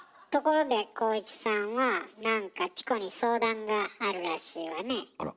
ところで浩市さんはなんかチコに相談があるらしいわね。